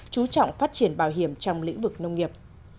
chú trọng phát triển bảo hiểm trong lĩnh vực nông nghiệp